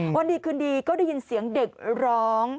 วันดีคืนดีก็ได้ยินเสียงเด็กร้อง